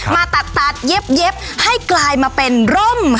มาตัดเย็บให้กลายมาเป็นร่ม